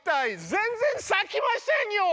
全然さきませんよ！